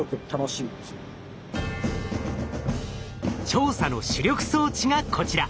調査の主力装置がこちら。